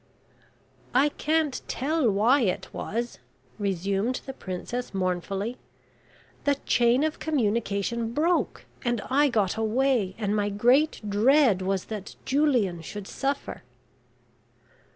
"I can't tell why it was," resumed the Princess, mournfully. "The chain of communication broke, and I got away, and my great dread was that Julian should suffer."